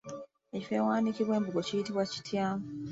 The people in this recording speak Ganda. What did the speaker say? Ekifo awaanikibwa embugo kiyitibwa kitya?